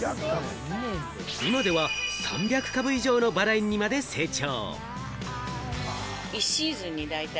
今では３００株以上のバラ園にまで成長。